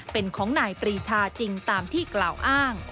เป็นของนายปรีชาจริงตามที่กล่าวอ้าง